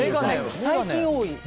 最近多い。